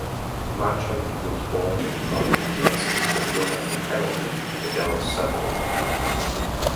Marchant was born in Bonham, Texas, but grew up in Carrollton, a Dallas suburb.